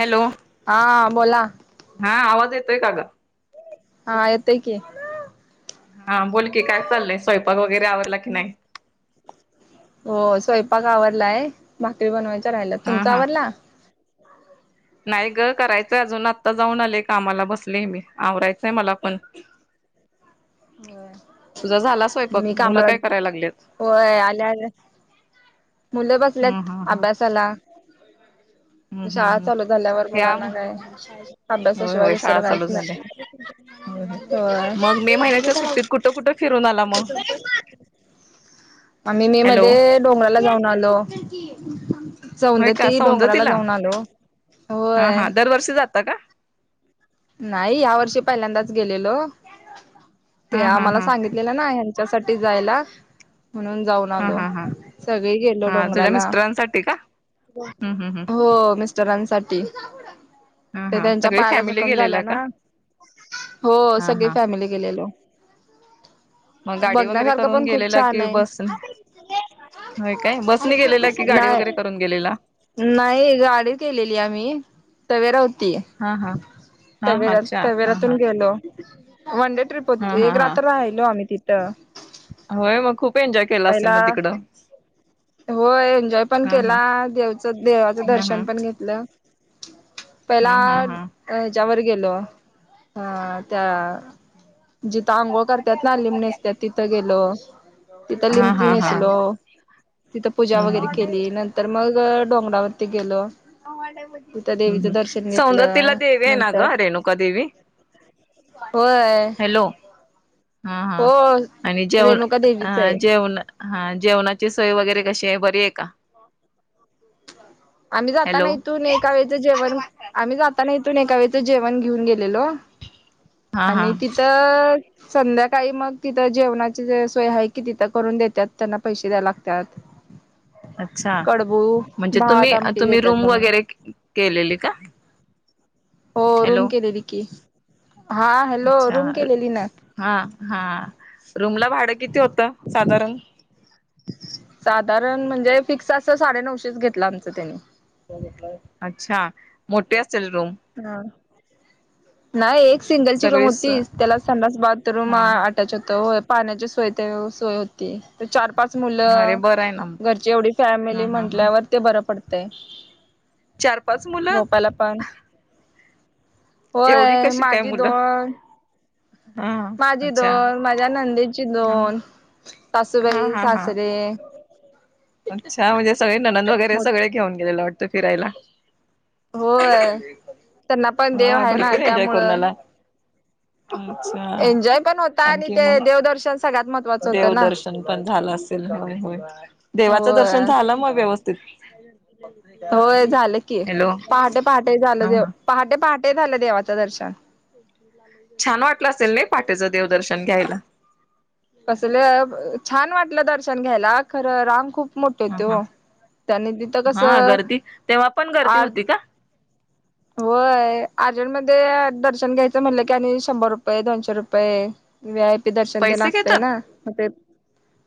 Hello हा बोला हा आवाज येतोय का ग हा येतोय की हा बोल की काय चाललंय स्वयंपाक वगैरे आवरला की नाही. हो स्वयंपाक आवरलाय भाकरी बनवायच्या राहिला हा तुमचा हा आवरला. नाही ग करायचंय अजून आत्ता जाऊन आलेय कामाल बसले मी आवरायचंय मला पण [inaudible] तुझा झाला हो् स्वयंपाक मी मुलं कामाला काय करायला लागलेत होय आल्या आल्या मुलं हम् बसल्यात हा हा अभ्यासाला. हम्म हम्म शाळा हम् चालू झाल्यावर हे आम मुलांना काय? होय अभ्यासाशिवाय होय शाळा दुसर चालू काहीच झाल्या नाही. होय बरं झालं आई कुठ कुठं फिरून आलाय. आम्ही मे हॅलो मध्ये डोंगराला जाऊन आलो. सौद होय का ती डोंगराला सौंदतीला जाऊन आलो हा होय. हा दरवर्षी जातो. जाता का? नाही या्या वर्षी पहिल्यांदाच गेलेलो ते हा हा आम्हाला हा सांगित ना हच्यासाठी जायला म्हणून जाऊन हा हॅलो हा हा सगळे गेलो हा तुझ्या डोंगराला मिस्टरांसाठी का हम् हम् हम् हो तरांनसाठी. ह हा सगळी फॅमिली क्काम गेलेला झाल्या का ना, हो हा सगळी फॅमिली गेलेलो. म गाडी वगैरे बघण्यासारखं करून पण खूप गेलेला छान कि आहे बसने? व्हय काय बसनी गेलेला की गाडी वगैरे नाही करून गेलेला? नाही गाडी केलेली आम्ही तवेरा होती. हा हा! हा हा तवेरा अच्छा हा हा तवेरातून गेलो वन डे ट्रीप होत हा हा एक हा रात्र राहिलो आम्ही तिथं. होय म खूप एन्जॉय केला असेल म पहिला तिकडं. होय एन्जॉय पण हा केला हा देवच देवाचं हा हा दर्शन पण घेतलं. पहिला हा हा हा हेच्यावर गेलो अ त्या जिथं आंघोळ करत्यात ना लिंमं नेसत्यां तिथं गेलो तिथं हा लिंमंती हा हा नेसलो. तिथं पूजा हम्म वगैरे हम्म केली हम्म नंतर मग डोंगरावरती गेलो. तिथं देवीचं दर्शन सौंदतीला घेतलं देवी आहे ना नंतर ग रेणुका देवी? होय! ह हा हो आणि जेवण रेणुका देवीच अ आहे जेवण हा जेवणाची सोय वगैरे कशी आहे बरी आहे का? आम्ही जाताना हॅलो इथून एका वेळेचं जेवण, आम्ही जाताना इथून एका वेळेचं जेवण घेऊन गेलेलो. हा हा आणि तिथं संध्याकाळी मग तिथं जेवणाची ज सोय आहे की तिथं करून देत्यांत त्यांना पैसे द्यायां लागत्यात [inaudible] अच्छा म्हणजे आमटी तुम्ही-तुम्ही देतात रूम बनवून वगैरे केलेली का? हो रूम हॅलो केलेली की, हा हॅलो अच्छा रूम केलेली ना? हा हा रूम ला भाडं किती होतं साधारण? साधारण म्हणजे फिक्स असं साडे नऊशेच घेतलं आमचं त्यांनी. अच्छा मोटी असेल रूम? ह नाही एक सिंगलची रूम सगळीच होती त्याला संडास बाथरूम हा आ ट्याच होत होय पाण्याची सोय ते सोय हो ती त चार पाच अरे मुलं बरं आहे ना मग. घरची एवढी हा फॅमिली हा हा म्हंटल्यावर. ते बरं पडतंय. चार पाच मुलं! यांलापण. एवढी होय कशी काय माझी मुलं दोन हा माझी अच्छा दोन माझ्या नंदे ची हा दोन हा सासूबाई, हा हा सासरे. अच्छा म्हणजे सगळे ननद वगैरे मोठ सगळे घेऊन गेलेले वाटतं फिरायला. होय त्यांना पण देव हा आहे ना भरपूर एन्जॉय करून त्यामुळं. आला अच्छा एन्जॉय पण होता, आणि आणखी ते मग देवदर्शन सगळ्यात महत्वाचं होतं ना. तिला होय, देवाचं दर्शन होय झालं म व्यवस्थित? होय झालं की हॅलो ह पहाटे पहाटे झालं जेव ह पहाटे पहाटे झालं देवाचं दर्शन. छान वाटलं असेल नाही पाहंटेचं देवदर्शन घ्यायला. असल छान वाटलं दर्शन घ्यायला खरं रांग खूप खप मोटी ह होती ह हो त्यानी तिथं कस हा गर्दी तेव्हा पण गर्दी आ होती का व्हय अर्जंट मध्ये दर्शन घ्यायचं म्हणलं, की आणि शंभर रुपये, दोनशे रुपये व्ही आय पी दर्शन तेन पैसे घेतात असतंयना मं ते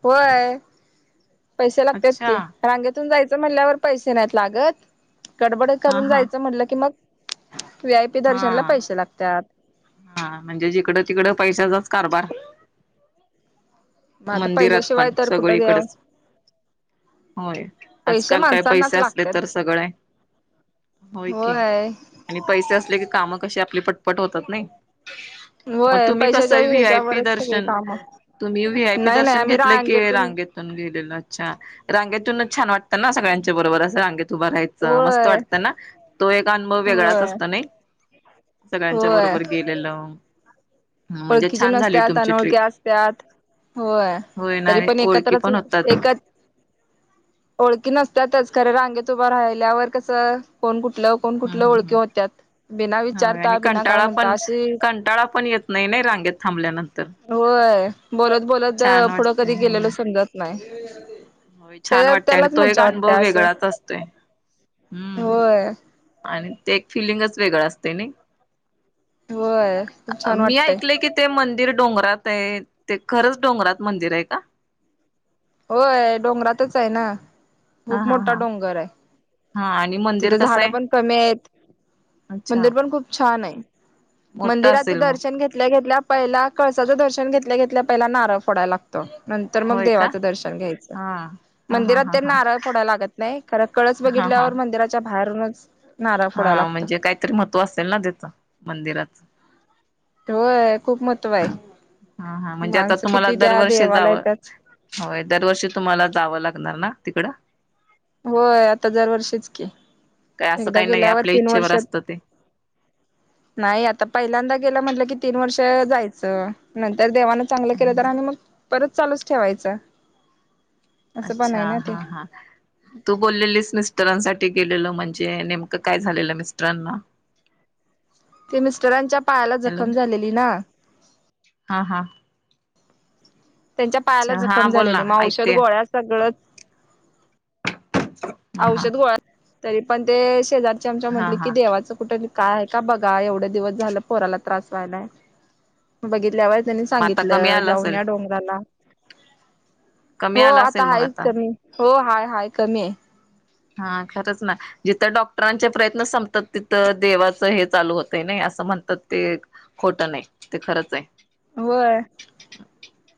होय. पैसे लागतात अच्छा की, रांगेतून जायचं म्हणल्यावर पैसे नाहीत लागत. गडबड हा करून हा जायचं म्हटलं की मग, वी आय पी हा दर्शनला पैसे लागतात. हा म्हणजे जिकडं, तिकडं पैशाचाच कारभार मग आता मंदिरात पैशाशिवाय पण, तर कुठं देव सगळीकडच. होय, पैसे आजकाल काय माणसांनाच पैसे असले लागतात तर सगळ हाय. होय. आणि पैसे असले की काम कशी आपली पटपट होतात नाही. मग होय तुम्ही कस पैशाच्या व्ही आय पी ह्याच्यावरच सगळे दर्शन काम तुम्ही व्ही आय पी नाही नाही दर्शन आम्ही घेतलं की रांग रांगेतून रांगेतून गेलेलं छान, रागेतून छान वाटतं ना सगळ्यांच्या बरोबर अस रान उभ राहायचं, मस्त होय वाटतं ना, तो एक अनुभव वेगळाच होय असतो नाही. सगळ्यांच्या होय बरोबर गेलेलं, म्हणजे छान झाली तुमची ट्रिप. त्यात, होय, होय ना तरी पण ओळखी एकत्रच पण होतात. एकच. ओळखी नसतातच, खरे रांगेत उभा राहिल्यावर कसं, कोण कुठलं कोण हम्म कुठल्या हम्म ओळखी हम्म होत्यात. बिना होय विचारता, आणि बिना काय कंटाळा म्हणता, पण अशी कंटाळा पण येतो नाही-नाही रांगेत थांबल्यानंतर. होय, बोलत-बोलत छान पुढं कधी वाटतंय गेलेल समजत नाही. हो छान त्या वाटतेय, आणि त्यालाच तो एक मज्जा वाटते अनुभव असं वेगळाच असतोय. हम्म होय आणि ते एक फिलिंगच वेगळं असतं नाही. होय खूप छान मी वाटतय ऐकलंय की ते मंदिर डोंगरात आहे, ते खरंच डोंगरात मंदिर आहे का? होय, डोंगरातच आहे ना, हा खूप हा मोठा हा डोंगर आहे. हा आणि मंदिर तिथे कसं झाड आहे? पण कमी आहेत. अच्छा मंदिर पण खूप छान आहे. मोठं मंदिराचं असेल मग दर्शन घेतल्या-घेतल्या, पहिला कळसाचं दर्शन घेतल्या-घेतल्या, पहिला नारळ फोडायला लागत. नंतर मग होय का? देवात. दर्शन घ्यायच. हा हा हा मंदिरात हा तेन हा नारळ फोडा लागत नाही. कार कळस हा हा बघितल्यावर मंदरात च्या बाहेरूनच नारळ फोडायला हा, लागतो. म्हणजे काहीतरी महत्त्व असेल ना त्याच मंदिराच. होय खूप महत्त्व आहे. हा-हा म्हणजे आता माणसं तुम्हाला किती त्या दरवर्षी देवाला जावं येतात. होय, दरवर्षी तुम्हाला जावं लागणार ना तिकडं? होय, आता दरवर्षीच की, काय असं एकदा काही नाही गेल्यावर आपल्या तीन इच्छेवर वर्षात असतं ते नाही, आता पहिल्यांदा गेला म्हटलं कि तीन वर्ष जायचं. नंतर देवानं चांगलं केलं तर, आणि मग परत चालूच ठेवायचं. असं पण अच्छा आहे ना ते. हा-हा, तू बोललेलीस मिस्टरांसाठी गेलेलं म्हणजे, नेमकं काय झालेलं मिस्टरांना? ते मिस्टरांच्या पायाला जखम झालेली ना. हा-हा. त्यांच्या पायाला अच्छा हा जखम बोल ना झालेली, मग औषध ऐकते गोळ्या सगळं [unintelligible] औषध गोळा, तरी पण ते शेजारची आमच्या हा म्हटले की हा देवाचं कुठं काय का बघा, एवढे दिवस झालं पोराला त्रास व्हायलाय. बघितल्या वर त्यांनी मग आता कमी सांगितलं. आला जाऊन असेल या डोंगराला, कमी हो आला आता असेल मग आहेच कमी हो, हाय-हाय कमी आहे. हा, खरंच ना जिथं डॉक्टरांचे प्रयत्न संपतात. तिथं देवाचं हे चालू होतय नाही. असं म्हणतात ते खोटं नाही ते खरंच आहे. होय.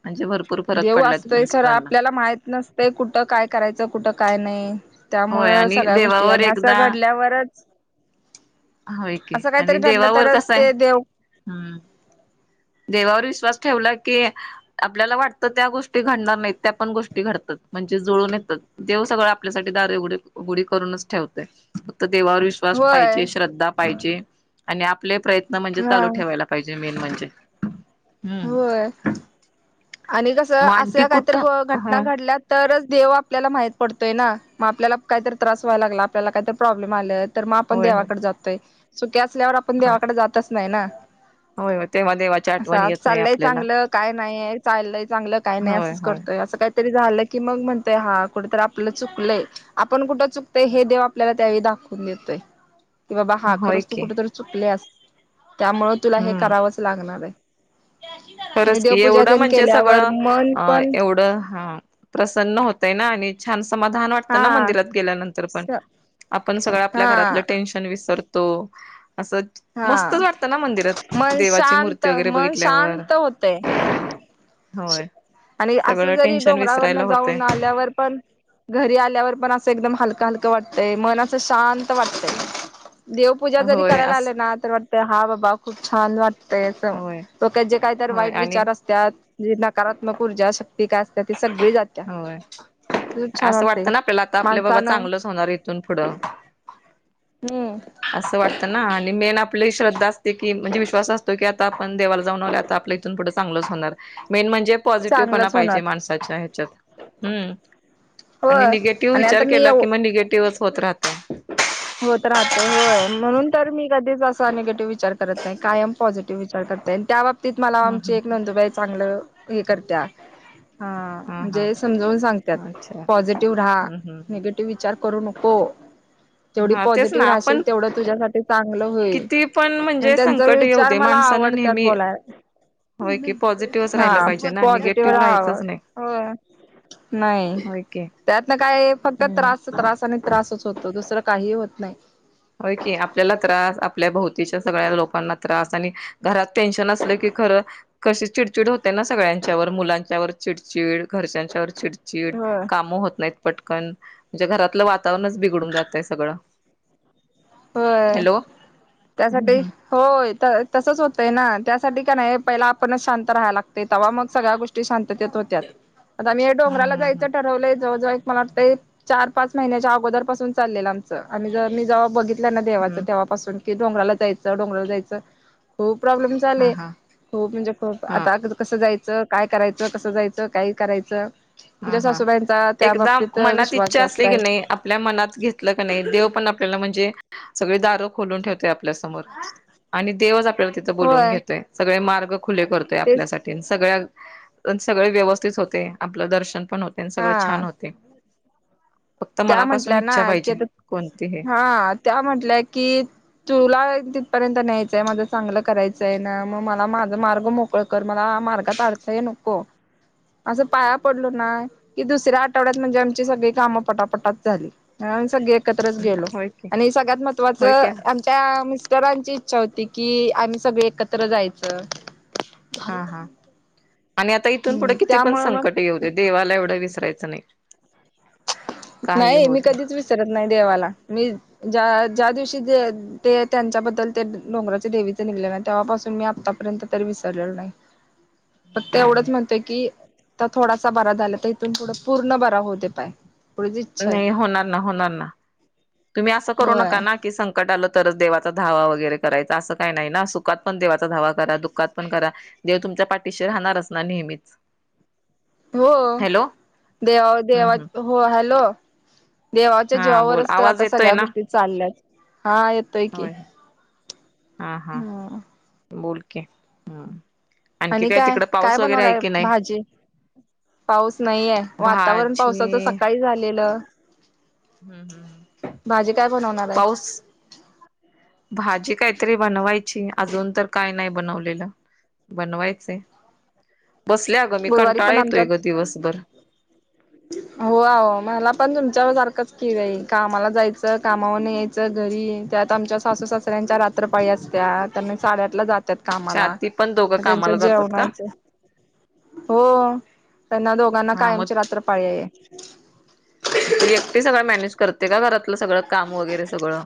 म्हणजे भर देव असतोय खरं आपल्याला माहत नसतंय कुठ काय करायचं कुठं काय नाही. होय त्यामुळं आणि सगळ्या गोष्टी देवावर आणि असं एकदा घडल्यावरच होय की असं आणि काहीतरी घडलं देवावर तरच कसं आहे ते देव हम्म. देवावर विश्वास ठेवला की आपल्याला वाटतं त्या गोष्टी घडणार नाहीत त्या पण गोष्टी घडतात म्हणजे जुळून येतात. देव सगळं आपल्यासाठी दार उघडी उघडी करूनच ठेवतोय फक्त देवावर विश्वास विश्वास होय पाहिजे श्रद्धा पाहिजे आणि आपले प्रयत्न म्हणजे हा चालू ठेवायला पाहिजे मेन म्हणजे. हम्म. होय आणि कसं मग आणखी अशा काहीतरी कुठं घटना हा घडल्यात तरच देव आपल्याला माहित पडतोय ना मग आपल्याला काहीतरी त्रास व्हायला लागला, आपल्याला कायतरी प्रॉब्लेम आलेत तर मग आपण होय होय देवाकडे जातोय सुखी असल्यावर आपण होय देवाकडे जातच नाही ना. होय तेव्हा देवाची असं आठवण आज येत नाही चाललंय आपल्याला. चांगलं काय नाही आहे चाललंय चांगलं काय नाही होय असंच होय करतोय असं काय तरी झालं की मग म्हणतोय हां कुठेतरी आपलं चुकलंय. आपण कुठं चुकतंय हे देव आपल्याला त्यावेळी दाखवून देतोय. की बाबा हां होय खरंच तू की कुठेतरी चुकल्यास त्यामुळे तुला हे हम्म करावंच लागणार आहे. आणि खरंच की देवपूजा तेन केल्यावर मन पण थोड हां प्रसन्न होतय ना आणि छान समाधान हा वाटतं ना मंदिरात गेल्या नंतर पण आपण सगळं आपल्या घरातलं हा टेन्शन आपण विसरतो अस हा मस्तच वाटतं ना मंदिरात देवाची मूर्ती वगैरे बघितल्यावर. होतंय. होय आणि असं सगळं जरी टेन्शन विसरायला डोंगरावरन होते जाऊन आल्यावर पण घरी आल्यावर पण असं एकदम हलकं हलकं वाटतंय मन असं शांत वाटतंय. देवपूजा जरी होय करायला आले असं ना तर वाटतंय हां बाबा खूप छान वाट तेच होय डोक्यात जे काहीतरी होय वाईट आणि विचार असतात नकारात्मक ऊर्जा शक्ती काय असत्या ती सगळी जात्या. होय. खूप छान असं वाटतंय वाटतं ना आपल्याला आता आपले बाबा माणसानं चांगलंच होणार इथून पुढं. हम्म. असं वाटतं ना आणि मेन आपली श्रद्धा असते की म्हणजे विश्वास असतो की आता आपण देवाला जाऊन आता आपलं इथून पुढं चांगलंच होणार. मेन म्हणजे पॉझिटिव्हपणा चांगलंच होणार पाहिजे माणसाच्या ह्याच्यात हम्म. आणि होय निगेटिव्ह आणि विचार आता मी केला एव कि मग निगेटिव्हच होत राहत. [inaudible] होत राहते, होय म्हणून तर मी कधीच असा निगेटिव्ह विचार करत नाही कायम पॉझिटिव्ह विचार करते आणि त्या बाबतीत तीत मला हम्म आमची हम्म एक नोंदूबाई चांगलं हे करत्या. हां हा म्हणजे हा समजवून सांगतात अच्छा पॉझिटिव्ह राहा हम्म हम्म निगेटिव विचार करू नको. जेवढी हा तेच ना पॉझिटिव्ह राहशिल आपण तेवढं तुझ्यासाठी चांगलं होईल किती पण आणि म्हणजे त्यांचा संकट येऊ विचार दे मला माणसानं आवड तय नेहमी बोलायला. होय की [unintelligible] पॉझिटिव्हच हा राहिलं पाहिजे ना पॉझिटिव्ह निगेटिव्ह राहाव. राहायचंच नाही होय. नाही होय की त्यात न काय फक्त हम्म त्रास त्रास आणि त्रासच होतो दुसरं काही होत नाही. होय की. आपल्याला त्रास आपल्या भोवतीच्या सगळ्या लोकांना त्रास आणि घरात टेन्शन असलं की खरं कशी चिडचिड होते ना सगळ्यांच्यावर? मुलांच्यावर चिडचिड. घरच्यांच्यावर चिड चिड. होय काम होत नाहीत पटकन. म्हणजे घरातलं वातावरणच बिघडून जातय सगळं. होय. हॅलो त्यासाठी हम्म होय त तसच होतय ना त्यासाठी का नाही पहिला आपणच शांत राहायला लागतय. तवा मग सगळ्या गोष्टी शांततेत होत्यात. आता मी हे डोंगराला हम्म जायचं ठरवलंय जवळ - जवळ एक मला वाटतंय. चार -पाच महिन्याच्या अगोदरपासून चाललेल आमचं आम्ही जवा मी जव्हा बघित ना देवाच हम्म तेवापासून की डोंगराला जायचं. डोंगराला जायचं खूप प्रॉब्लेम्स हा आले. हा खूप म्हणजे खूप. हा आता कसं जायचं? काय करायचं? कसं जायचं? काय करायचं? हा तुझ्या हा सासूबाईंचा त्या एकदा बाबतीत मनात विश्वास इच्छा जास्त असली की आहे. नाही आपल्या मनात घेतलं का नाही? देव पण आपल्याला म्हणजे सगळी दारं खोलून ठेवत्या - - आपल्या समोर आणि देवच आपल्याला तिथं बोलवून होय घेतोय. सगळे मार्ग खुले करतोय तेच आपल्यासा सगळ्या अन सगळ व्यवस्थित होतय. आपलं दर्शन पण होतय. तेन सगळ हा छान होतय. त्या म्हंटल्या ना? कि आता कोणती हे हा त्या म्हंटल्या कि - - तुला तिथपर्यंत न्यायचंय. माझं चांगलं करायचंय ना? मग मला माझा मार्ग मोक मोकळ कर. मला मार्गात अडथळे नको. असं पाया पडलो ना? की दुसऱ्या आठवड्यात म्हणजे आमची सगळी कामं पटाप पटात झाली त्यामुळ सगळी एकत्रच गेलो. होय की आणि सगळ्यात महत्वाच - होय की - आमच्या मिस्टरांची इच्छा होती. की आम्ही सगळे एकत्र जायच. हा हा. आणि आता इथून पुढं हम्म किती पण त्यामुळे मग संकट येऊ देवाला एवढं विसरायचं नाही. काही नाही होऊ मी दे कधीच विसरत नाही देवाला. मी ज्या -ज्या दिवशी जे ते त्यांच्याबद्दल ते डोंगराचे देवीच निघल ना? तेव्हापासून मी आत्तापर्यंत तरी विसरलेलो नाही. [inaudible] फक्त एवढंच म्हणतोय की थोडासा बरा झाला तर इथून थोड पूर्ण बरा होऊ दे पाय. एवढीच इच्छा आहे नाही होणार ना. होणार ना. तुम्ही असं करू होय नका ना की संक कट आलं तरच देवाचा धावा वगैरे करायचा असं काही नाही ना? सुखात पण देवाचा धावा करा. दुःखात पण करा. देव तुमच्या पाठीशी राहणारच ना नेहमीच. हो. हॅलो देवा हम्म देवा हम्म हो हॅलो. देवाच्या हा बोल जीवावरच तर आवाज आता येतोय सगळ्या ना गोष्टी चालल्यात. हा येत होय. हा हा. ह बोल की. हा. आणि काय? काय बनवलाय भाजी? पाऊस नहीेयाय. वातावरण पावसाचं भाजी सकाळी झालेलं. हम्म हम्म हम् भाजी काय बनवणार आहे पाऊस भाजी काहीतरी बनवायची. अजून तर काय नाही बनवलेलं. बनवायचय. बसले अगं मी गुरुवारी कंटाळा पण येतोय ग आमच्यात दिवसभर. [inaudible] हो अव मला पण तुमच्याव सारखंच की बई कामाला जायचं. कामावरन यायचं. च घरी त्यात आमच्या सासू सासऱ्यांच्या रात्रपाळी असत्या. त्यांनी साडेआठला जात जात्यात कामाला, छाती पण दोघं मग त्यांच्या कामाला जातात का जेवणाच हो, त्यांना दोघांना हा मग कायमची रात्र पाळी आहे. तू एकटी सगळं मॅनेज करते का, घरातलं सगळं काम वगैरे सगळं?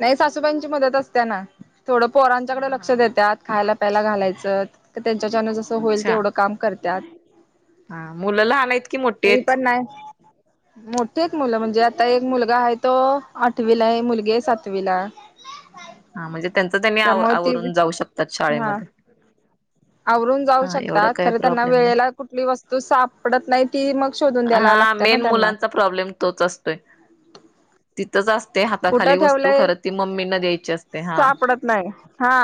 नाही सासूबाईंची मदत असते ना, थोडं पोरांच्याकडे हा लक्ष हा हा देत्यात. खायला प्यायला घालायचं, त्यांच्याच्यान जसं होईल अच्छा तेवढं काम करत्यात. हा मुलं लहान आहेत की मोट्टी आहेत? मोठीेये मुलं म्हणजे, आता एक मुलगा आहे तो आठवीलाये. मुलगी आहे सातवीला. हा म्हणजे त्यांचं त्यांनी आव त्यामुळे ते आवरून जाऊ शकतात शाळेमध्ये. अवरून जाऊ हा एवढं शकतात काय खरं त्यांना प्रॉब्लेम नाही वेळेला कुठली वस्तू सापडत नाही, ती मग शोधून द्यायला हा लागते ना मेन त्यांना. मुलांचा प्रॉब्लेम तोच असतोय तिथंच असते कुठं हाताखाली वस्तू ठेवलंय खरं, ती मम्मीना द्यायची असते हा. सापडत नाही हा